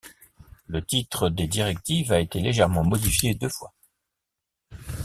Le titre des directives a été légèrement modifié deux fois.